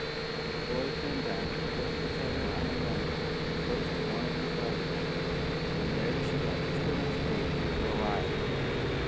The boy turned back and carefully set her on a limb close to one of her brothers, and there she got just enough food to keep her alive.